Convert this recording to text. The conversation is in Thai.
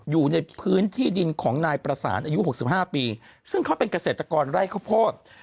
อยู่ในพื้นที่ดินของนายประสานอายุ๖๕ปีซึ่งเขาเป็นเกษตรกรไร่ข้าวโพด